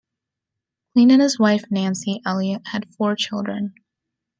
Kleene and his wife Nancy Elliott had four children.